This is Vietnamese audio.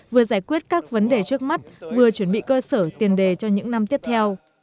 vừa giải quyết các vấn đề trước mắt vừa chuẩn bị cơ sở tiền đề cho những năm tiếp theo